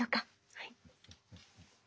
はい。